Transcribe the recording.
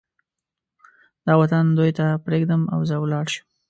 دا وطن دوی ته پرېږدم او زه ولاړ شم.